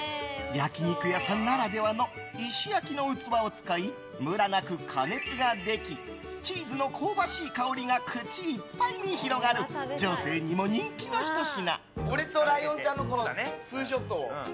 焼き肉屋さんならではの石焼きの器を使いムラなく加熱ができチーズの香ばしい香りが口いっぱいに広がる女性にも人気のひと品。